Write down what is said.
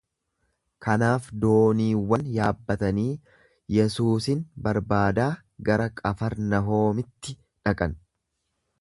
Kanaaf dooniiwwan yaabbatanii Yesuusin barbaadaa gara Qafarnahoomitti dhaqan.